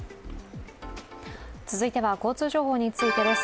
続いては交通情報についてです。